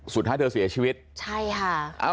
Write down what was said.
สุดท้ายเธอเสียชีวิตใช่ค่ะ